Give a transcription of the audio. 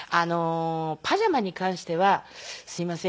パジャマに関しては「すいません。